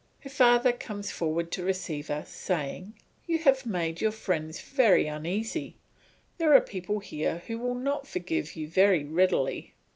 Her father comes forward to receive us saying, "You have made your friends very uneasy; there are people here who will not forgive you very readily."